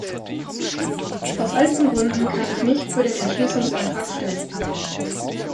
Aus all diesen Gründen kann ich nicht für den Entschließungsantrag stimmen.